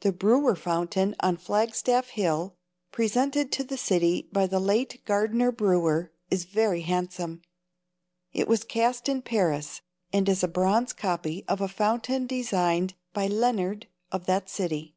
The Brewer fountain on Flagstaff hill, presented to the city by the late Gardner Brewer, is very handsome. It was cast in Paris, and is a bronze copy of a fountain designed by Lienard of that city.